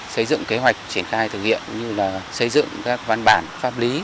xây dựng kế hoạch triển khai thực hiện như là xây dựng các văn bản pháp lý